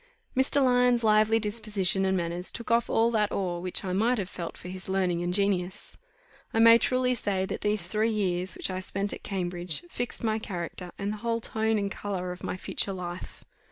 Mr. Lyons' lively disposition and manners took off all that awe which I might have felt for his learning and genius. I may truly say, that these three years, which I spent at Cambridge, fixed my character, and the whole tone and colour of my future life.